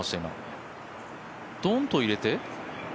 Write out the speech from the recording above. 今どんと入れて？